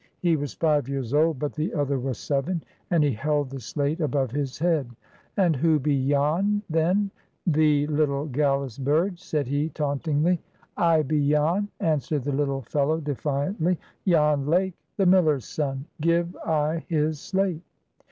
He was five years old, but the other was seven, and he held the slate above his head. "And who be Jan, then, thee little gallus bird?" said he, tauntingly. "I be Jan!" answered the little fellow, defiantly. "Jan Lake, the miller's son. Give I his slate!"